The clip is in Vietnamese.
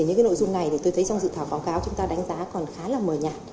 những cái nội dung này thì tôi thấy trong dự thảo báo cáo chúng ta đánh giá còn khá là mờ nhạt